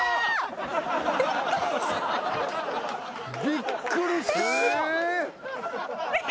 びっくりした。